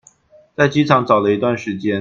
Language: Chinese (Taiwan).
在機場找了一段時間